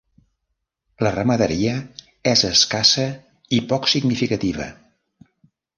La ramaderia és escassa i poc significativa.